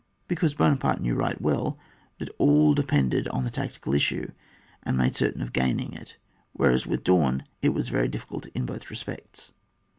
— Because Buona parte ^ew right well that all depended on the tactical issue, and made certain of gaining it; whereas with Daun it was very different in both respects.